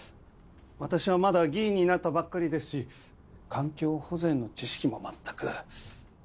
私はまだ議員になったばっかりですし環境保全の知識も全く。